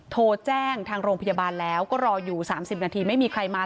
โทรแจ้งทางโรงพยาบาลแล้วก็รออยู่๓๐นาทีไม่มีใครมา